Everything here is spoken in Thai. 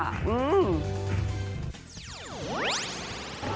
อืม